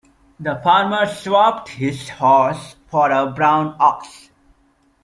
The farmer swapped his horse for a brown ox.